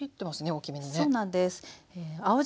大きめにね。